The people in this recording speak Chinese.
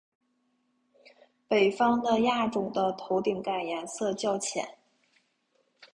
北方的亚种的头顶盖颜色较浅。